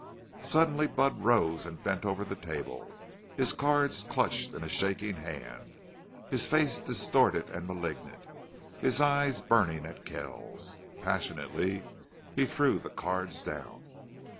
Suddenly Budd rose and bent over the table, his cards clutched in a shaking hand, his face distorted and malignant, his eyes burning at Kells. Passionately he threw the cards down.